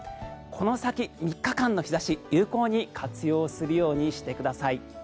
この先、３日間の日差し有効に活用するようしてください。